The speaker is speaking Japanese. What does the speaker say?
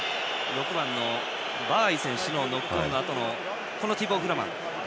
６番のバアイ選手のノックオンのあとのティボー・フラマン。